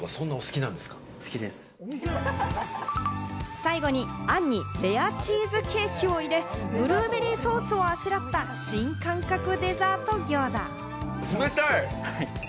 最後に餡にレアチーズケーキを入れ、ブルーベリーソースをあしらった新感覚デザートギョーザ。